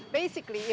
ini sedikit teknis